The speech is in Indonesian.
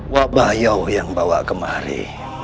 wabayau yang bawa kemari